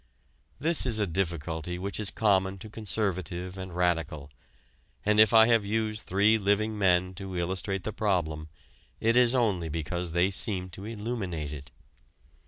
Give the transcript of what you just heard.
This is a difficulty which is common to conservative and radical, and if I have used three living men to illustrate the problem it is only because they seem to illuminate it.